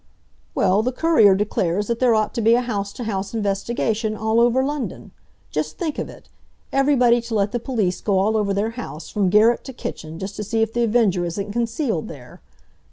"Well, the Courier declares that there ought to be a house to house investigation—all over London. Just think of it! Everybody to let the police go all over their house, from garret to kitchen, just to see if The Avenger isn't concealed there.